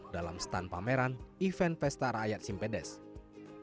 dalam stand pameran event pesta rakyat simpedes ini berlangsung